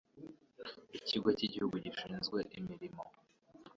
Ikigo cy'Igihugu gishinzwe imirimo